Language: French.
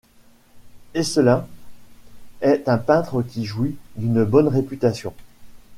Esselens est un peintre qui jouit d'une bonne réputation.